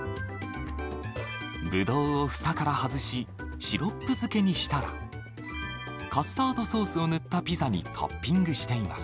ブドウを房から外し、シロップ漬けにしたら、カスタードソースを塗ったピザにトッピングしています。